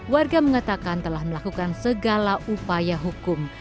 warga mengatakan telah melakukan segala upaya hukum